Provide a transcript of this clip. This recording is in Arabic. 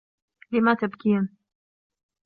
لم تبكين؟